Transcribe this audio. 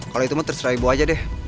kalau itu mah terserah ibu aja deh